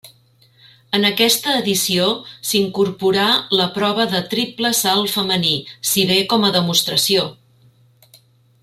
En aquesta edició s'incorporà la prova de triple salt femení, si bé com a demostració.